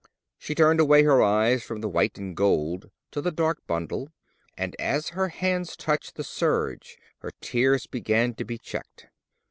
She turned away her eyes from the white and gold to the dark bundle, and as her hands touched the serge, her tears began to be checked.